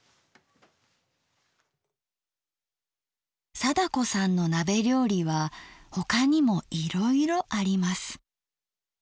貞子さんの鍋料理は他にもいろいろあります。